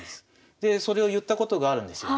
でそれを言ったことがあるんですよ。